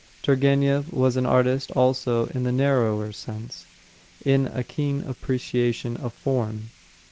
Turgenev was an artist also in the narrower sense in a keen appreciation Of form.